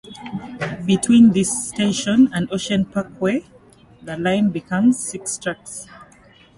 Between this station and Ocean Parkway, the line becomes six tracks.